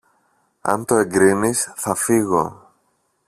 αν το εγκρίνεις, θα φύγω.